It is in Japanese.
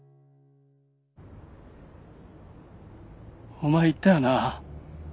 お前言ったよな？